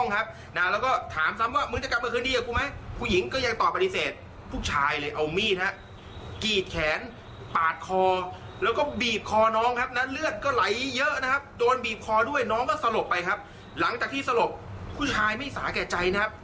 หลังจากที่สลบผู้ชายไม่สาแก่ใจนะครับ